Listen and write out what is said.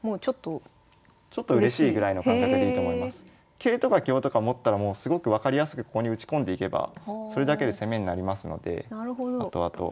桂とか香とか持ったらすごく分かりやすくここに打ち込んでいけばそれだけで攻めになりますのであとあと。